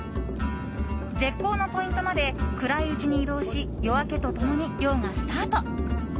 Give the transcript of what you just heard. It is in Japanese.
絶好のポイントまで暗いうちに移動し夜明けと共に漁がスタート。